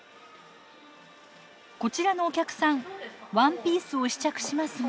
こちらのお客さんワンピースを試着しますが。